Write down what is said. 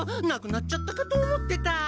なくなっちゃったかと思ってた！